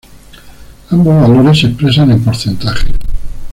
Ambos valores se expresan en porcentaje.